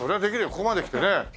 ここまできてね。